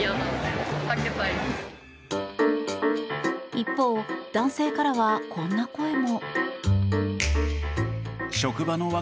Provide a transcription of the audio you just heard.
一方、男性からはこんな声も。